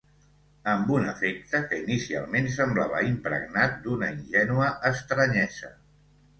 Amb un afecte que, inicialment, semblava impregnat d’una ingènua estranyesa.